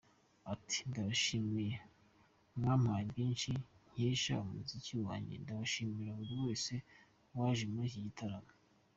Ati “Ndabashimira, mwampaye byinshi nkesha umuziki wanjye, ndashimira buri wese waje muri iki gitaramo’.